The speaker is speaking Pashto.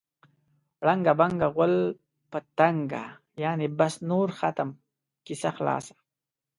ړنګه بنګه غول په تنګه. یعنې بس نور ختم، کیسه خلاصه.